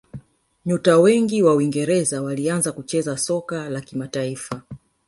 nyota wengi wa uingereza walianza kucheza soka la kimataifa